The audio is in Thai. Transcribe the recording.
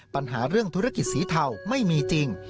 ปัญหาเรื่องธุรกิจสีเทาไม่มีจริง